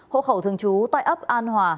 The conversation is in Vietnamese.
hộ khẩu thường trú tại ấp an hòa